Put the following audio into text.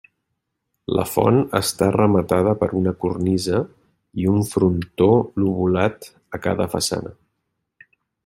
La font està rematada per una cornisa i un frontó lobulat a cada façana.